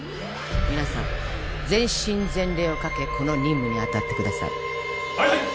皆さん全身全霊をかけこの任務にあたってくださいはい！